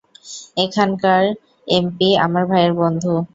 এখানকার এমপি আমার ভাইয়ের বন্ধু।